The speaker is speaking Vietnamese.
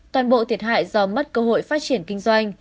toàn bộ thiệt hại do mất cơ hội phát triển kinh doanh